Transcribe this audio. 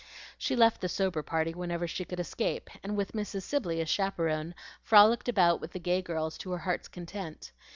She left the sober party whenever she could escape, and with Mrs. Sibley as chaperone, frolicked about with the gay girls to her heart's content.